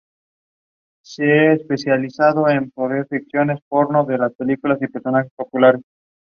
Dinning then successfully sued members of the Ku Klux Klan over the incident.